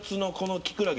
キクラゲ。